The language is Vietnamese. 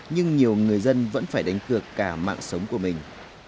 nhưng nhiều người dân vẫn phải đánh cược cả mạng sống của mình